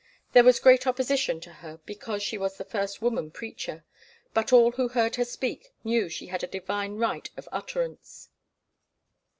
There was great opposition to her because she was the first woman preacher, but all who heard her speak knew she had a divine right of utterance.